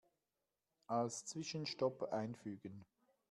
Als Zwischenstopp einfügen.